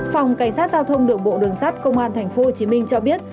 phòng cảnh sát giao thông đường bộ đường sát công an tp hcm cho biết